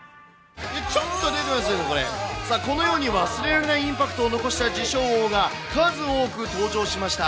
このように忘れられないインパクトを残した自称王が、数多く登場しました。